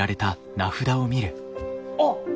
あっ。